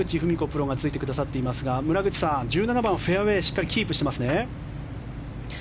プロがついてくださっていますが村口さん１７番、フェアウェーしっかりキープしてますね。